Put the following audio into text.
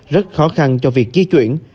rất khó khăn cho việc di chuyển